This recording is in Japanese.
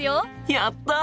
やった！